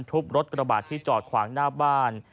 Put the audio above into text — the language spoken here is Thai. ทุบรถกระบาดที่จอดขวางหน้าบ้าน